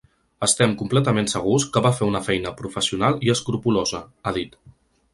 Estem completament segurs que va fer una feina professional i escrupolosa, ha dit.